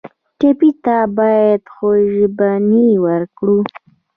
ټپي ته باید خوشبیني ورکړو.